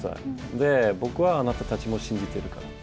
で、僕はあなたたちも信じてるから。